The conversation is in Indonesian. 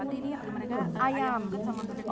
oh ayam ungkep